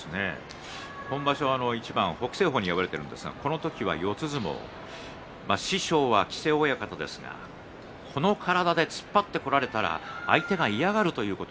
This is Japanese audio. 今場所は北青鵬に敗れていますが師匠は木瀬親方ですがこの体で突っ張ってこられたら相手が嫌がるということ。